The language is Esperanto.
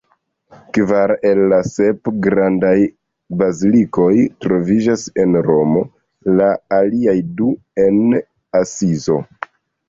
Kvar el la sep grandaj bazilikoj troviĝas en Romo, la aliaj du en Asizo.